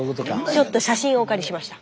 ちょっと写真をお借りしました。